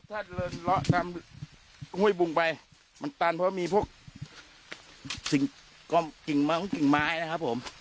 ถ้าเดินเลาะตามกล้วยบุงไปมันตันเพราะมีพวกสิ่งกิ่งไม้ของกิ่งไม้นะครับผม